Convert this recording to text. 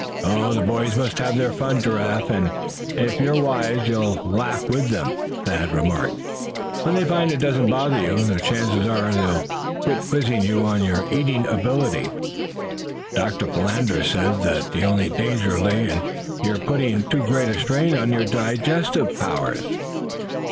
"Oh! the boys must have their fun, Giraffe; and if you're wise you'll laugh with them," Thad remarked. "When they find it doesn't bother you, the chances are they'll quit quizzing you on your eating ability. Doctor Philander said that the only danger lay in your putting to great a strain on your digestive powers."